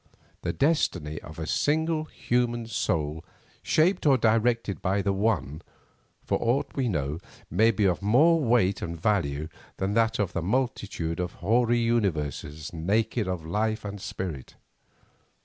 The destiny of a single human soul shaped or directed by the one, for aught we know, may be of more weight and value than that of a multitude of hoary universes naked of life and spirit.